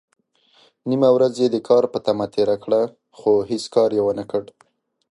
نيمه ورځ يې د کار په تمه تېره کړه، خو هيڅ کار يې ونکړ.